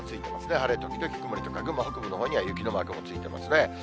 晴れ時々曇りとか、群馬北部のほうには雪のマークもついてますね。